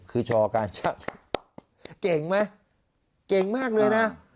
คือชอกาชาติเก่งไหมเก่งมากเลยนะ